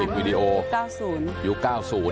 ยุคอีสันยุค๙๐